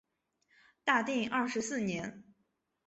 大定二十四年。